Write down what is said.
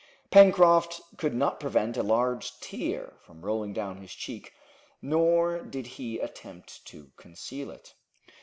Pencroft could not prevent a large tear from rolling down his cheek, nor did he attempt to conceal it.